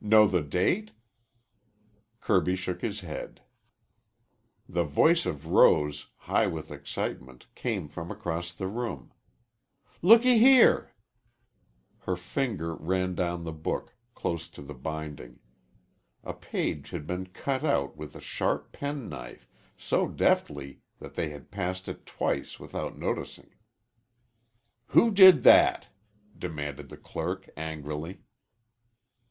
"Know the date?" Kirby shook his head. The voice of Rose, high with excitement, came from across the room. "Looky here." Her finger ran down the book, close to the binding. A page had been cut out with a sharp penknife, so deftly that they had passed it twice without noticing. "Who did that?" demanded the clerk angrily.